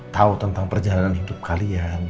tahu tentang perjalanan hidup kalian